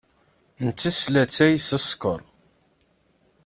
Ntess latay s sskeṛ.